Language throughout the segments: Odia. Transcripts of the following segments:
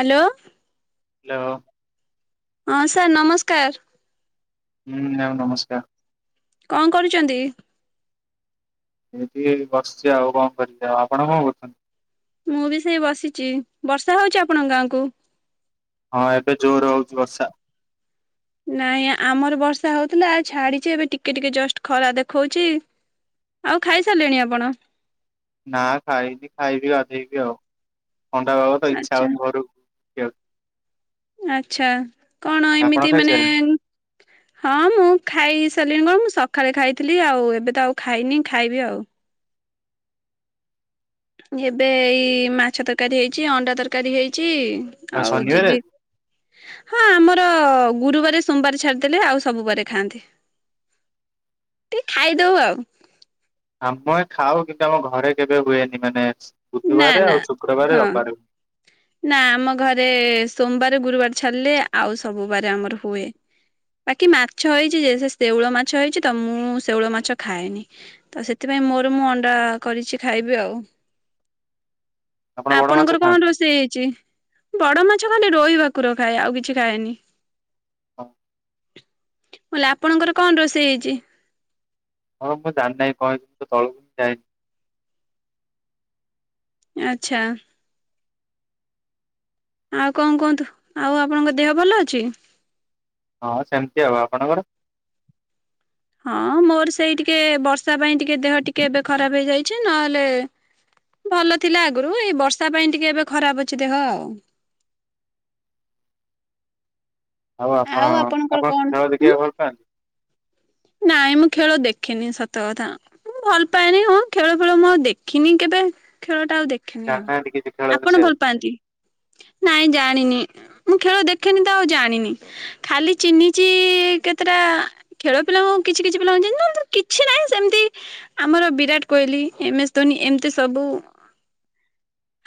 ହାଲୋ। ହାଲୋ। ହଁ ସାର୍ ନମସ୍କାର। ହୁଁ ମାମ ନମସ୍କାର। କଅ କରୁଚନ୍ତି? ଏମିତିି ଏଇ ବସିଛି ଆଉ କଣ କରିବି ଆଉ, ଆପଣ କଣ କରୁଛନ୍ତି? ମୁଁ ବି ସେଇ ବସିଚି। ବର୍ଷା ହଉଛି ଆପଣଙ୍କ ଗାଁକୁ? ହଁ ଏବେ ଜୋର ହୋଉଚି ବର୍ଷା। ନାଇଁ ଆମର ବର୍ଷା ହୋଉଥିଲା ଆଉ ଛାଡିଛି ଏବେ ଟିକେ ଟିକେ ଜଷ୍ଟ ଖରା ଦେଖୋଉଛି। ଆଉ ଖାଇ ସାରିଲେଣି ଆପଣ। ନା ଖାଇନି ଖାଇବି ଗାଧେଇବି ଆଉ ଥଣ୍ଡା ପାଗ ତ ଇଚ୍ଛା ଆଚ୍ଛା ହଉନି ଘରୁ ଆଚ୍ଛା କଣ ଆପଣ ଏମିତି ମାନେ ଖାଇସାରିଲେଣି ଉଁ ହଁ ମୁଁ ଖାଇ ସାରିଲିଣି କଣ ସଖାଳେ ଖାଇଥିଲି ଆଉ ଏବେ ତ ଆଉ ଖାଇନି ଖାଇବି ଆଉ। ଏବେ ଏଇ ମାଛ ତରକାରୀ ହେଇଛି ଅଣ୍ଡା ତରକାରୀ ହେଇଛି କଣ ଆଉ ଶନିବାରେ ଯିବି। ଆଜି ହଁ ଆମର ଗୁରୁବାର ସୋମବାର ଛାଡିଦେଲେ ଆଉ ସବୁ ବାରେ ଖାଆନ୍ତି। ଟି ଖାଇଦୋଉ ଆଉ। ଆମ ଖାଉ କିନ୍ତୁ ଆମ ଘରେ କେବେ ହୁଏନି ମାନେ ନା ବୁଧବାର ନା ଆଉ ଶୁକ୍ରବାର ହଁ ରବିବାର ହୁଏ। ନା ଆମ ଘରେ ସୋମବାର ଗୁରୁବାର ଛାଡିଲେ ଆଉ ସବୁବାରେ ଆମର ହୁଏ। ବାକି ମାଛ ହେଇଛି ଯେ ଶେଉଳ ମାଛ ହେଇଛି ତ ମୁଁ ଶେଉଳ ମାଛ ଖାଏନି। ତ ସେଥିପାଇଁ ମୋର ମୁଁ ଅଣ୍ଡା କରିଛି ଖାଇବି ଆଉ। ଆପଣ ବଡ ମାଛ ଆପଣଙ୍କର କଣ ଖାଆନ୍ତି? ରୋଷେଇ ହେଇଛି ବଡ ମାଛ ଖାଲି ରୋହି ଭାକୁର ଖାଏ ଆଉ କିଛି ଖାଏନି। ହଁ। ମୁଁ ଆପଣଙ୍କର କଣ ରୋଷେଇ ହେଇଛି। ହଁ ମୁଁ ଜାଣିି ନେହିଁ କଣ ହେଇଚି ତଳକୁ ଯାଇନି। ଆଚ୍ଛା। ଆଉ କଣ କୁହନ୍ତୁ ଆଉ ଆପଣଙ୍କ ଦେହ ଭଲ ଅଛି। ହଁ ସେମିତି ଆଉ ଆପଣଙ୍କର। ହଁ ମୋର ସେଇ ଟିକେ ବର୍ଷା ପାଇଁ ଟିକେ ଦେହ ଟିକେ ଏବେ ଖରାପ ହେଇଯାଇଛି ନହେଲେ ଭଲ ଥିଲା ଆଗରୁ ଏଇ ବର୍ଷା ପାଇଁ ଟିକେ ଏବେ ଖରାପ ଅଛି ଦେହ ଆଉ। ଆଉ ଆପଣ, ଆପଣଙ୍କର ଆପଣ କଣ ଖେଳ ଉଁ ଦେଖିବାକୁ ଭଲ ପାଆନ୍ତି? ନାଇଁ ମୁଁ ଖେଳ ଦେଖେନି, ସତ କଥା। ମୁଁ ଭଲ ପାଏନି। ହଁ ଖେଳ, ଫେଳ ମୁଁ ଆଉ ଦେଖିନି କେବେ। ଖେଳ ଟା ଆଉ ଦେଖି ଖିନି ଆଉ। ଜାଣିନାହାନ୍ତି କିଛି ଖେଳ ଆପଣ ବିଷୟରେ ଭଲ ପାଆନ୍ତି? ନାଇଁ ଜାଣିନି। ମୁଁ ଖେଳ ଦେଖେନି ତ ଆଉ ଜାଣିନି। ଖାଲି ଚିନିଛିି କେତେଟା-' ଖେଳ ପିଲାଙ୍କୁ କିଛି କିଛି ପିଲାଙ୍କୁ ଚିହ୍ନିଛି। ସେଥିରେ କିଛି ନାହିଁ ସେମିତି ଆମର ବିରାଟ କୋହିଲି, ଏମ୍ ଏସ୍ ଧୋନି ଏମିତି ସବୁ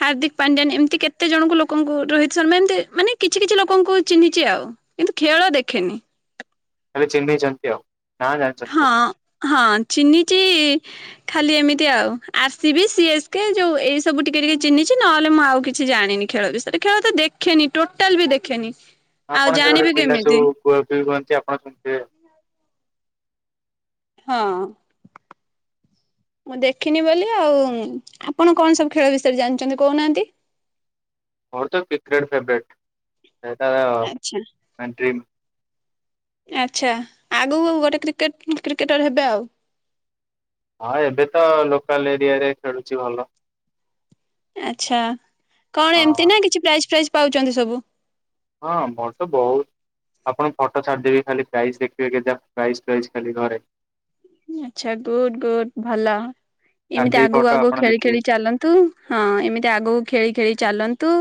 ହାର୍ଦ୍ଦିକ ପାଡି୍ୟାନ୍। ଏମିତି କେତେ ଜଣଙ୍କୁ ଲୋକଙ୍କୁ ରୋହିତ ଶର୍ମା ଏମିତି ମାନେ କିଛି କିଛି ଲୋକଙ୍କୁ ଚିଞ୍ଚିଚି ଆଉ। କିନ୍ତୁ ଖେଳ ଦେଖେନି। ହେଲେ ଚିଞ୍ଚିଛନ୍ତି ଆଉ, ନାଁ ଜାଣିଛନ୍ତି। ଖାଲି। ହଁ ହଁ, ଚିହ୍ନିଚି ଖାଲି ଏମିତି ଆଉ, ଆର୍ସିବି, ସିଏସ୍କେ ଯୋଉ ଏଇ ସବୁ ଟିକେ ଟିକେ ଚିହ୍ନିଛି ନହେଲେ ମୁଁ ଆଉ କିଛି ଜାଣିନି। ଖେଳ ବିଷୟରେ। ଖେଳ ତ ଦେଖେନି, ଟୋଟାଲ୍ ବି ଦେଖେନି। ଆଉ ଜାଣିବି କେମିତି? କୁହା କୁହି, ହୁଅନ୍ତି ଆପଣ ଶୁଣିଥିବେ? ହଁ। ମୁଁ ଦେଖିନି ବୋଲି ଆଉ। ଆପଣ କଣ ସବୁ ଖେଳ ବିଷୟରେ ଜାଣିଛନ୍ତି କହୁନାହାନ୍ତି? ମୋର ତ କିକ୍ରେଟ ଫେଭୋରାଇଟ୍ [inaudible] ଆଚ୍ଛା ଆଚ୍ଛା। ଆଗକୁ ଗୋଟେ କ୍ରିକେଟ୍, କ୍ରିକେଟର ହେବେ ଆଉ? ହଁ ଏବେ ତ ଲୋକାଲ୍ ଏରିଆରେ ଖେଳୁଛି ଭଲ। ଆଚ୍ଛା। କଣ ହଁ ଏମିତି ନା କିଛି ପ୍ରାଇଜ୍, ଫାଇଜ୍ ପାଉଛନ୍ତି ସବୁ? ହଁ ମୋର୍ ତ ବୋହୁତ୍ ଆପଣକୁ ଫଟୋ ଛାଡିଦେବି, ଖାଲି ପ୍ରାଇଜ୍ ଦେଖିବେ, କେମିତିକା ପ୍ରାଇଜ୍- ଫ୍ରାଇଜ୍ ଖାଲି ଘରେ। ଆଚ୍ଛା ଗୁଡ୍, ଗୁଡ୍ ଭଲ। ଏମିତି ଛାଡିଦେବି ଆଗକୁ, ଫଟୋ ଆପଣ ଆଗକୁ ଖେଳି, ଦେଖିବେ ଖେଳି ଚାଲନ୍ତୁ। ହଁ ଏମିତି ଆଗକୁ ଖେଳି, ଖେଳି ଚାଲନ୍ତୁ।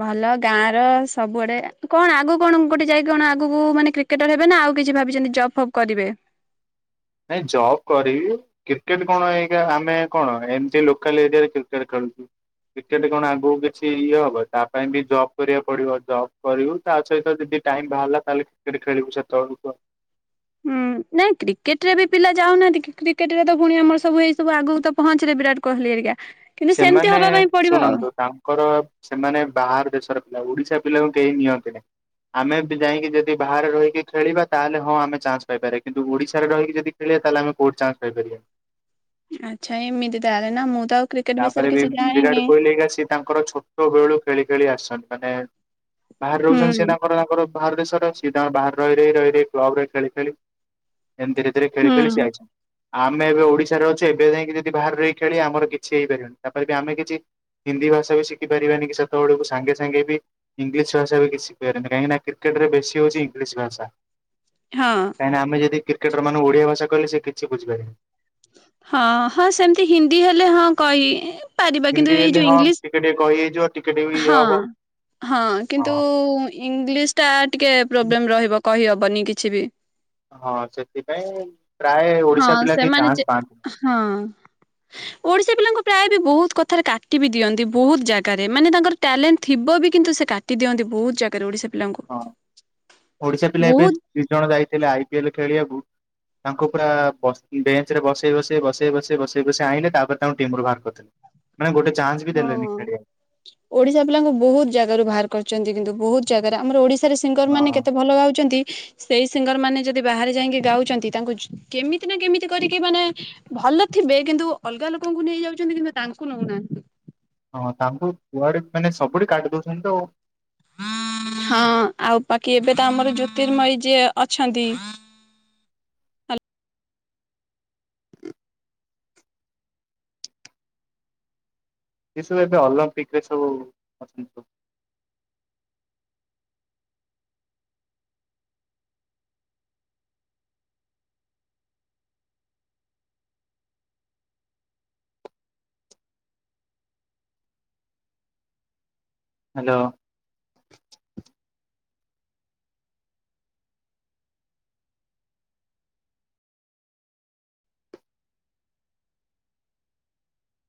ଭଲ ଗାଁର ସବୁଆଡେ, କଣ ଆଗକୁ କଣ ଗୋଟେ ଯାଇକି କଣ ଆଗକୁ ମାନେ କ୍ରିକ୍ କ୍ରିକେଟର ହେବେ ନା ଆଉ କିଛି ଭାବିଛନ୍ତି ଜପ୍ ଫପ୍ କରିବେ? ନାଇଁ ଜବ୍ କରିବି। କ୍ରିକେଟ୍ କଣ, ଏଇକା ଆମେ କଣ, ଏମ୍ତି ଲୋକାଲ୍ ଏରିଆରେ କ୍ରିକେଟ୍ ଖେଳୁଛୁ। କ୍ରିକେଟ୍ କଣ ଆଗକୁ କିଛି ଇଏ ହବ, ତା ପାଇଁ ବି ଜବ୍ କରିବାକୁ ପଡିବ। ଜବ୍ କରିବୁ। ତା ସହିତ ଯଦି ଟାଇମ୍ ବାହାରିଲା, ତାହେଲେ କ୍ରିକେଟ୍ ଖେଳିବୁ ସେତେବେଳକୁ ଆଉ। ହୁଁ ନାଇଁ କ୍ରିକେଟ୍ ରେ ବି ପିଲା ଯାଉନାହାନ୍ତି କି, କ୍ରିକେଟ୍ ରେ ତ ପୁଣି ଆମର ସବୁ ଏଇ ସବୁ ଆଗକୁ ତ ପହଞ୍ଚିଲେ ବିରାଟ କୋହଲି ଆରିକା। ସେମାନେ ଶୁଣନ୍ତୁ, ତାଙ୍କର ସେମାନେ ବାହାର ଦେଶର ପିଲା। ଓଡିଶା ପିଲାଙ୍କୁ କେହି ନିଅନ୍ତିନି। ଆମେ ବି ଯାଇକି ଯଦି ବାହାରେ ରହିକି ଖେଳିବା, ତାହେଲେ ହଁ ଆମେ ଚାନ୍ସ ପାଇପାରିବା। କିନ୍ତୁ ଓଡିଶାରେ ରହିକି ଯଦି ଥିଲେ, ତାହେଲେ କଉଁଠି ଚାନ୍ସ ପାଇ ପାରିବାନି। ଆଚ୍ଛା ଏମିତି ତା ହେଲେନା ମୁଁ ତ ଅଉ ତାପରେ ବି ବିରାଟ୍ କୋହିଲି ହାରିକା ତାଙ୍କର ଛୋଟ ବେଳୁ ଖେଳି, ଖେଳି ଆସଛନ୍ତି। ମାନେ ବାହାରେ ହୁଁ ରହୁଛନ୍ତି ସେ ତାଙ୍କର, ତାଙ୍କର ବାହାର ଦେଶର। ସେ ତାଙ୍କର ବାହାରେ ରହି, ରହି, ରହି କ୍ଲବ୍ ରେ ଖେଳି, ଖେଳି ଏମ ଧୀରେ, ଧୀରେ ଖେଳି, ହୁଁ ଖେଳି ସିଏ ଆଇଛନ୍ତି। ଆମେ ଏବେ ଓଡିଶାରେ ଅଛୁ, ଏବେ ଯାଇଁକି ଯଦି ବାହାରେ ରହିକି ଖେଳିବା, ଆମର କିଛି ହେଇପାରିବନି। ତାପରେ ବି ଆମେ କିଛି ହିନ୍ଦୀ ଭାଷା ବି ଶିଖି ପାରିବାନି, ସେତେବେଳେକୁ ସାଙ୍ଗେ, ସାଙ୍ଗେ ବି ଇଂଲିଶ ଭାଷ ବି କିଛିି ଶିଖି ପାରିବାନି। କାହିଁକିନା କ୍ରିକେଟ୍ ରେ ବେଶୀ ହଉଛି ଇଂଲିଶ ଭାଷା। ହଁ। କାଇଁ ନା ଆମେ ଯଦି କ୍ରିକେଟର ମାନଙ୍କୁ ଓଡିଆ ଭାସା କହିଲେ, ସେ କିଛି ବୁଝିପାରିବେନି। ହଁ। ହଁ ସେମ୍ତି ହିନ୍ଦୀ ହେଲେ ହଁ କହି ପାରିବା, କିନ୍ତୁ ଏଇ ଯୋଉ ଇଂଲିଶ୍ ସେ ଟିକେ କହି ହେଇଯିବ ଟିକେ ଟିକେ ବି ଇଏ ହଁ, ହବ ହଁ। କିନ୍ତୁ ଇଂଗିଲିସ୍ ଟା ଟିକେ ପ୍ରୋବ୍ଲେମ୍ ରହିବ କହିହବନି କିଛି ବି। ହଁ ସେଥିପାଇଁ ପ୍ରାୟ ହଁ ଓଡିଶା ପିଲା କେହି ସେମାନେ ଚାନ୍ସ ଯେ ପାଆନ୍ତିନି। ହଁ ଓଡିଶା ପିଲାଙ୍କୁ ପ୍ରାୟ ବି ବହୁତ କଥାରେ କାଟି ବିି ଦିଅନ୍ତି ବହୁତ ଜାଗାରେ ମାନେ ତାଙ୍କର ଟ୍ୟାଲେଣ୍ଟ ଥିବ ବି କିନ୍ତୁ ସେ କାଟି ଦିଅନ୍ତି ବହୁତ ଜାଗାରେ ଓଡ଼ିଶା ହଁ ଓଡିଶା ପିଲା ଏବେ ବହୁତ ଦି ଜଣ ଯାଇଥିଲେ ଆଇ ପିଏଲ ଖେଳିବାକୁ ତାଙ୍କୁ ପୁରା ବସ୍ ବେଞ୍ଚ ରେ [unintelligible] ବସେଇ-ବସେଇ-ବସେଇ-ବସେଇ-ବସେଇ-ବସେଇ ଆଇିଲେ ତାପରେ ତାଙ୍କୁ ଟିମ ରୁ ବାହାର କରିଦେଲେ। ମାନେ ଗୋଟେ ଚାନ୍ସ ବି ଦେଲେନି ହଁ ଖେଳବାକୂ। ଓଡିଶା ପିଲାଙ୍କୁ ବହୁତ ଜାଗାରୁ ବାହାର କରିଛନ୍ତି କିନ୍ତୁ ବହୁତ ଜାଗାରେ ଆମର ଓଡିଶ ସେଠି ସିଙ୍ଗର ମାନେ ହଁ କେତେ ଭଲ ଗାଉଛନ୍ତି। ସେଇ ସିଙ୍ଗର ମାନେ ଯଦି ବାହାରେ ଯାଇକି ଗାଉଛନ୍ତି ତାଙ୍କୁ ଯୋ କେମିତି ନା କେମିତି କରିକି ମାନେ ଭଲ ଥିବେ କିନ୍ତୁ ଅଲଗା ଲୋକଙ୍କୁ ନେଇ ଯାଉଛନ୍ତି କିନ୍ତୁ ତାଙ୍କୁ ନଉନାହାନ୍ତି। ହଁ ତାଙ୍କୁ କୁଆଡ଼େ ମାନେ ସବୁଠି କାଡ଼ି ଦଉଛନ୍ତି ତ, ହଁ ଆଉ ବାକି ଏବେ ତ ଆମର ଜ୍ୟୋତିର୍ମୟୀ ଯିଏ ଅଛନ୍ତି ଏସବୁ ଏବେ ଅଲମ୍ପିକ୍ ରେ ସବୁ ଅଛନ୍ତି ସବୁ। ହ୍ୟାଲୋ